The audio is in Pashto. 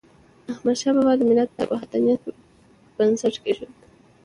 احمدشاه بابا د ملت د وحدت بنسټ کيښود.